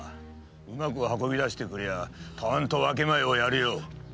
うまく運び出してくれりゃたんと分け前をやるよ。